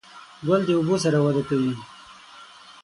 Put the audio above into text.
ګل د اوبو سره وده کوي.